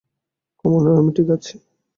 Commander, আমি ঠিক আছি।